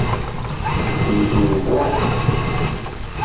Nekkenti neẓra-tt.